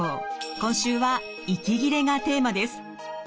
今週は「息切れ」がテーマです。